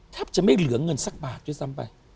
แทบจะไม่เหลือเงินสักบาทด้วยซ้ำไป